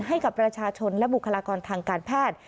ให้กับประชาชนและบุคลากรทางการแพทย์